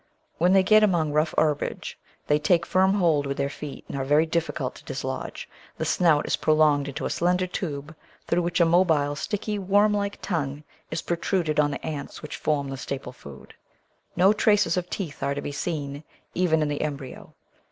When they get among rough herbage they take firm hold with their feet and are very difficult to dislodge. The snout is prolonged into a slender tube, through which a mobile, sticky, worm like tongue is protruded on the ants which form the staple food. No traces of teeth are to be seen, even in the embryo.